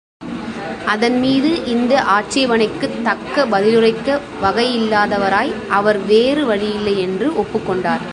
அதன்மீது இந்த ஆட்சேபணைக்குத் தக்க பதிலுரைக்க வகையில்லாதவராய், அவர் வேறு வழியில்லை என்று ஒப்புக்கொண்டனர்.